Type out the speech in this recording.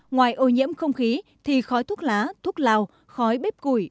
ngoài ô nhiễm không khí thì khói thuốc lá thuốc lào khói bếp củi